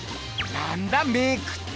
何だメークって。